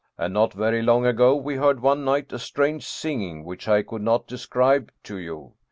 And not very long ago we heard one night a strange singing which I could not describe to you.